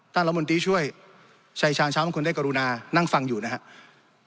ท่านละมนติช่วยชายชาญชาวมะคุณได้กรุณานั่งฟังอยู่นะครับ